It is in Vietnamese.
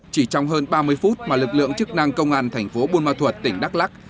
chỉ trong hơn ba mươi phút mà lực lượng chức năng công an thành phố buôn ma thuật tỉnh đắk lắc